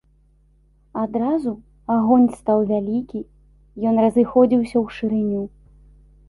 Адразу агонь стаў вялікі, ён разыходзіўся ў шырыню.